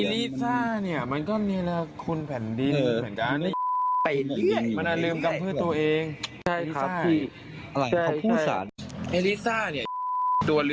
ลิซ่าเนี่ยมันก็เนรคุณแผ่นดินเหมือนกัน